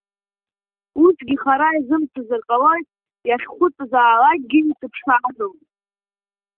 Усгьы хара изымцазар ҟалоит, иахьхәыҵазаалакгьы исыԥшаароуп…